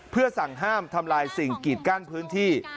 เพื่อสั่งห้ามทำลายสิ่งกีดกั้นพื้นที่